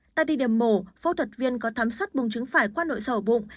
tại điểm mổ phẫu thuật viên có thám sát bùng trứng phải qua nội soi hổ bụng